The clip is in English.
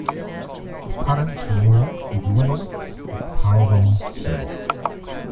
The current mayor of Willowick is Tyrone Hill.